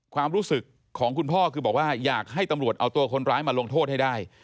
ความรู้สึกของคุณพ่อคือบอกว่าอยากให้ตำรวจเอาตัวคนร้ายมาลงโทษให้ได้